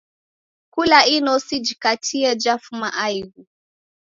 Kula inosi jikatie, jafuma aighu.